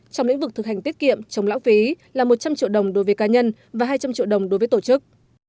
trong lĩnh vực thực hành tiết kiệm chống lão phí là một trăm linh triệu đồng đối với cá nhân và hai trăm linh triệu đồng đối với tổ chức